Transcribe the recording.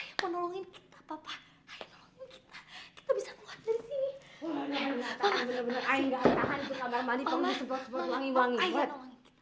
ayah nolong kita kita bisa keluar dari sini